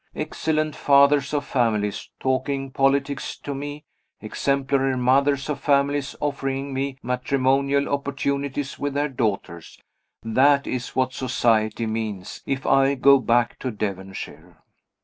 Excellent fathers of families talking politics to me; exemplary mothers of families offering me matrimonial opportunities with their daughters that is what society means, if I go back to Devonshire.